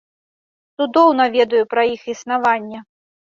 Цудоўна ведаю пра іх існаванне.